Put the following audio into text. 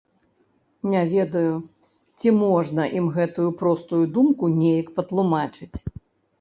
Не ведаю, ці можна ім гэтую простую думку неяк патлумачыць.